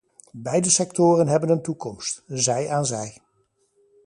Beide sectoren hebben een toekomst, zij aan zij.